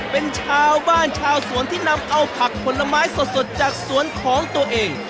เป็นชาวบ้านชาวสวนที่นำเอาผักผลไม้สดจากสวนของตัวเอง